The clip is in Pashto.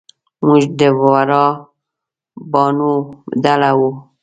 موږ د ورا باڼو ډله وو.